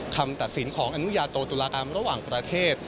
คำตัดสินของอนุญาโตตุลากรรมระหว่างประเทศ